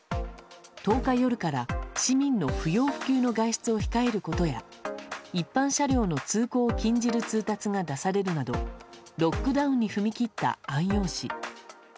１０日夜から市民の不要不急の外出を控えることや一般車両の通行を禁じる通達が出されるなどロックダウンに踏み切った安陽市。